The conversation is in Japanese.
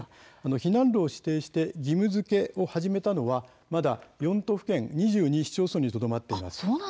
避難路を指定して義務づけを始めたのはまだ４都府県２２市町村にとどまっています。